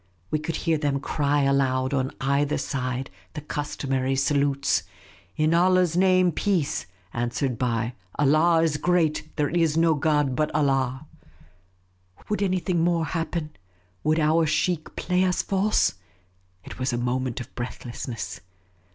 We could hear them cry aloud on either side the customary salutes : "In Allah's name, peace !" answered by " Allah is great ; there is no god but Allah." 2o6 Miss Caylcy's Adventures Would anything more happen ? Would our sheikh play us fiilse ? It was a moment of breathlessness.